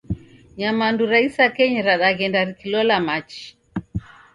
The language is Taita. Nyamandu ra isakenyi radaghenda rikilola machi